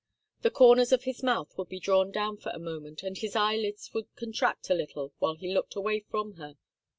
The corners of his mouth would be drawn down for a moment and his eyelids would contract a little while he looked away from her.